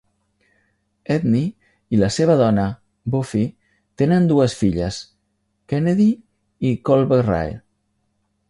Edney i la seva dona, Buffy, tenen dues filles, Kennedi i Kolbe-Rae.